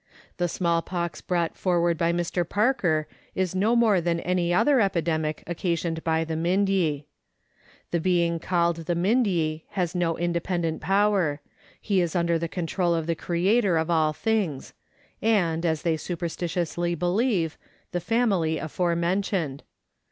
The small pox brought forward by Mr. Parker is no more than any other epidemic occasioned by the Mindye. The being called theMindye has no independent power; he is under the control of the Creator of all things, and, as they superstitiously believe, the family afore mentioned.